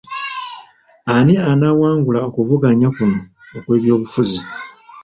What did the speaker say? Ani anaawangula okuvuganya kuno okw'ebyobufuzi?